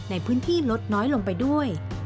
ในพื้นที่ลดน้อยลงไปด้วย